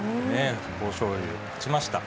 豊昇龍、勝ちました。